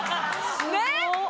ねっ！